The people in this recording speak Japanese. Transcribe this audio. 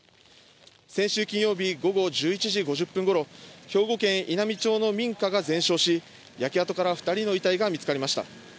先週金曜日午後１１時５０分頃、兵庫県稲美町の民家が全焼し、焼け跡から２人の遺体が見つかりました。